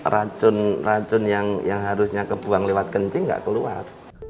racun racun yang harusnya kebuang lewat kencing nggak keluar